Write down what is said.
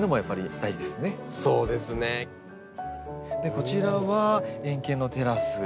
こちらは円形のテラス。